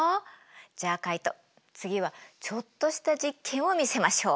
じゃあカイト次はちょっとした実験を見せましょう。